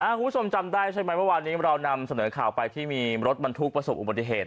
คุณผู้ชมจำได้ใช่ไหมเมื่อวานนี้เรานำเสนอข่าวไปที่มีรถบรรทุกประสบอุบัติเหตุ